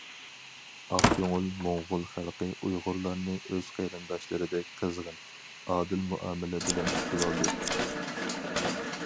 ئاق كۆڭۈل موڭغۇل خەلقى ئۇيغۇرلارنى ئۆز قېرىنداشلىرىدەك قىزغىن، ئادىل مۇئامىلە بىلەن كۈتۈۋالدى.